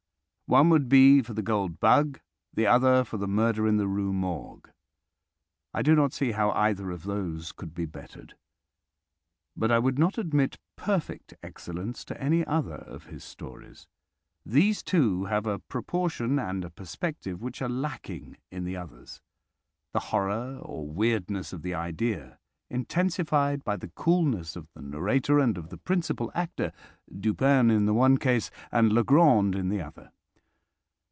One would be for the "Gold Bug," the other for the "Murder in the Rue Morgue." I do not see how either of those could be bettered. But I would not admit perfect excellence to any other of his stories. These two have a proportion and a perspective which are lacking in the others, the horror or weirdness of the idea intensified by the coolness of the narrator and of the principal actor, Dupin in the one case and Le Grand in the other.